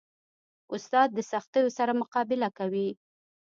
استاد د سختیو سره مقابله کوي.